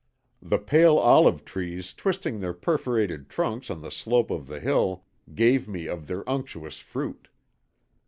The pale olive trees twisting their perforated trunks on the slope of the hill gave me of their unctuous fruit.